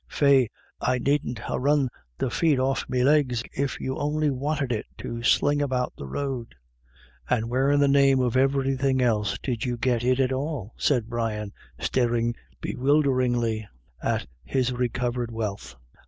Faix, I needn't ha' run the feet off of me legs, if you on'y wanted it to sling about the road." 11 And where in the name of iverythin' else did you git it at all ?" said Brian, staring bewilderedly at his recovered wealth.